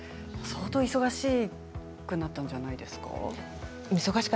相当、忙しくなったんじゃないですか。